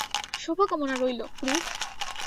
শুভকামনা রইলো, ক্রিস।